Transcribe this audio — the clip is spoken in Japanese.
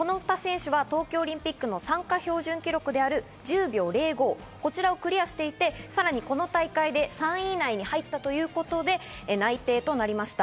この２選手は東京オリンピックの参加標準記録の１０秒０５をクリアしていて、この大会で３位以内に入ったということで内定となりました。